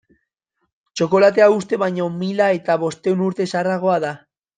Txokolatea uste baino mila eta bostehun urte zaharragoa da.